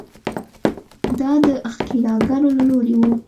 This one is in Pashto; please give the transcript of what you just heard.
دا د ښکېلاکګرو له لوري وو.